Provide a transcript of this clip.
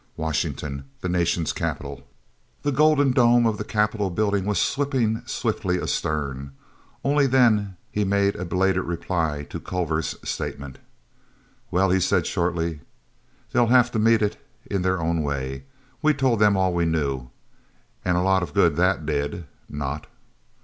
Washington, the nation's capital; the golden dome of the Capitol Building was slipping swiftly astern. Only then did he make a belated reply to Culver's statement. "Well," he said shortly, "they'll have to meet it their own way. We told them all we knew. And a lot of good that did—not!"